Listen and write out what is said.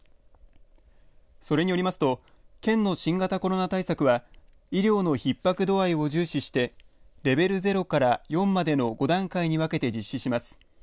それによりますと県の新型コロナ対策は医療のひっ迫度合いを重視してレベル０から４までの５段階に分けて実施します。